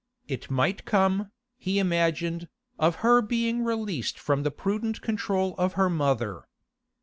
It might come, he imagined, of her being released from the prudent control of her mother.